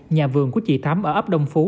nhà vườn của chị thám ở ấp đông phú